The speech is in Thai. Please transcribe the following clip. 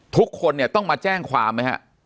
ทุกคนเนี่ยต้องมาแจ้งความไหมฮะ